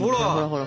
ほら。